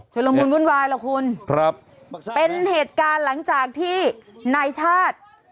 ละมุนวุ่นวายล่ะคุณครับเป็นเหตุการณ์หลังจากที่นายชาติ